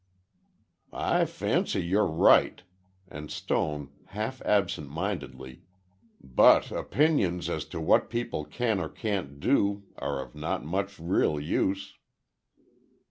"I fancy you're right," and Stone, half absent mindedly, "but opinions as to what people can or can't do, are of not much real use."